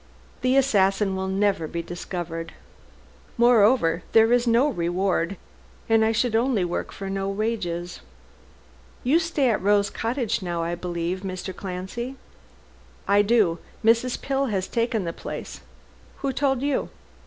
"The assassin will never be discovered. Moreover, there is no reward, and I should only work for no wages. You stay at Rose Cottage now, I believe, Mr. Clancy?" "I do. Mrs. Pill has taken the place. Who told you?"